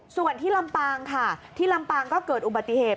ส่วนที่ลำปางค่ะที่ลำปางก็เกิดอุบัติเหตุ